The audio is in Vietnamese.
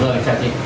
rồi xin chào chị